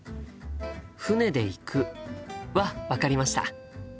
「船で行く」は分かりました。